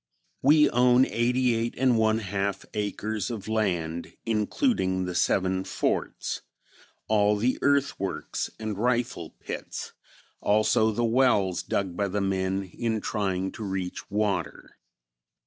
We own eighty eight and one half acres of land, including the seven forts; all the earthworks and rifle pits; also the wells dug by the men in trying to reach water.